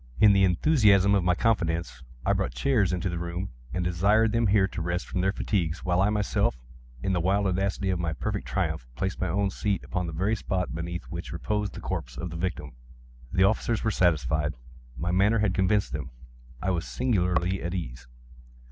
In the enthusiasm of my confidence, I brought chairs into the room, and desired them here to rest from their fatigues, while I myself, in the wild audacity of my perfect triumph, placed my own seat upon the very spot beneath which reposed the corpse of the victim. The officers were satisfied. My manner had convinced them. I was singularly at ease.